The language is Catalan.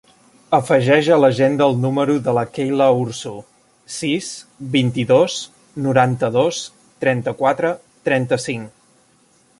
Afegeix a l'agenda el número de la Keyla Ursu: sis, vint-i-dos, noranta-dos, trenta-quatre, trenta-cinc.